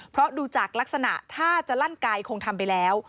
เพราะดูจากลักษณะถ้าจะลั่นไกลคงทำไปแล้ว